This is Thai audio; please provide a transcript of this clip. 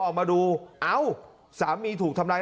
ออกมาดูเอ้าสามีถูกทำร้าย